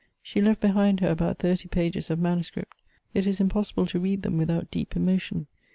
She left behind her about thirty pages of manuscript ; it is impossible to read them without deep emotion.